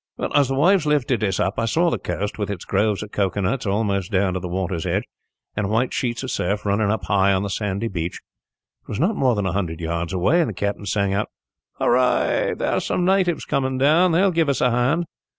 "As the waves lifted us up, I saw the coast, with its groves of coconuts almost down to the water's edge, and white sheets of surf running up high on the sandy beach. It was not more than a hundred yards away, and the captain sang out, "'Hurrah! There are some natives coming down. They will give us a hand.'